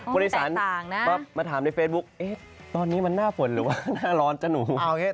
คุณอีสานมาถามในเฟซบุ๊คตอนนี้มันน่าฝนหรือว่าน่าร้อน